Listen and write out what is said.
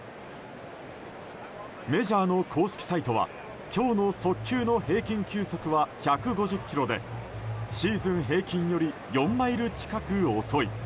メジャーの公式サイトは、今日の速球の平均球速は１５０キロでシーズン平均より４マイル近く遅い。